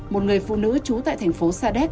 một người phụ nữ trú tại thành phố sa đéc